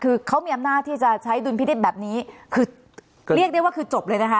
คือเขามีอำนาจที่จะใช้ดุลพินิษฐ์แบบนี้คือเรียกได้ว่าคือจบเลยนะคะ